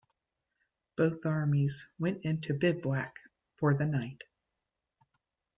Both armies went into bivouac for the night.